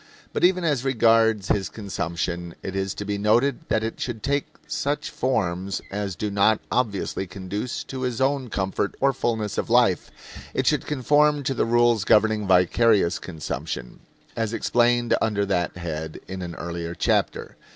But even as regards his consumption it is to be noted that it should take such forms as do not obviously conduce to his own comfort or fullness of life; it should conform to the rules governing vicarious consumption, as explained under that head in an earlier chapter.